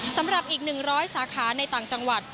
สำหรับอีก๑๐๐สาขาในต่างจังหวัด